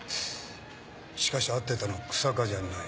しかし会ってたのは日下じゃない。